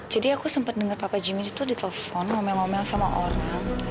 jadi aku sempet denger papa jimi itu ditelepon ngomel ngomel sama orang